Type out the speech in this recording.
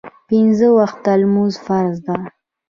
پنځه وخته لمونځ فرض ده